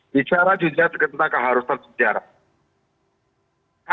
bicara juga tentang keharusan sejarah